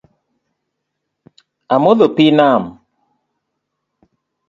Amodho pii nam